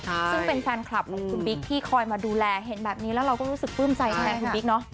ซึ่งเป็นแฟนคลับของคุณบิ๊กที่คอยมาดูแลเห็นแบบนี้แล้วเราก็รู้สึกปลื้มใจแทนคุณบิ๊กเนาะ